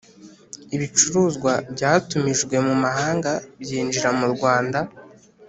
Ibicuruzwa byatumijwe mu mahanga byinjira murwanda